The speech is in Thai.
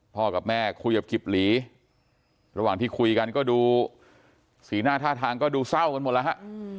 กับแม่คุยกับกิบหลีระหว่างที่คุยกันก็ดูสีหน้าท่าทางก็ดูเศร้ากันหมดแล้วฮะ